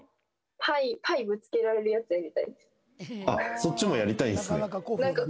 そっちもやりたいんすね